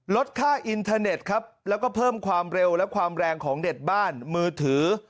ลดค่าอินเทอร์เน็ตครับแล้วก็เพิ่มความเร็วและความแรงของเด็ดบ้านมือถือ